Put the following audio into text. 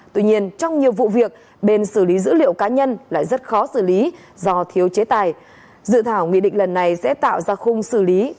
tuy nhiên trong nhiều vụ việc bên xử lý dữ liệu cá nhân lại rất khó xử lý do thiếu chế tài